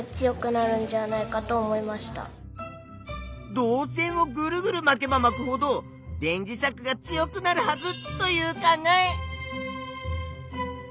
導線をぐるぐるまけばまくほど電磁石が強くなるはずという考え。